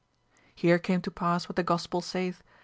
Here came to pass what the Gospel saith.